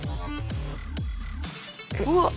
うわっ！